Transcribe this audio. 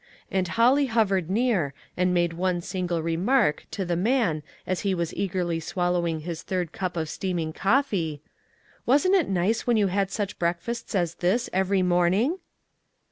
And Holly hovered near, and made one single remark to the man as he was eagerly swallowing his third cup of steam ing coffee : SILKEN COILS. 215 "Wasn't it nice when you had such breakfasts as this every morning